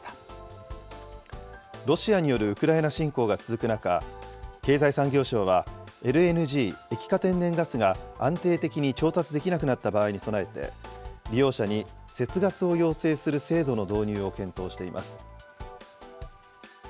ロシアによるウクライナ侵攻が続く中、経済産業省はＬＮＧ・液化天然ガスが、安定的に調達できなくなった場合に備えて、利用者に節ガスを要請する制度の導入を検討しています。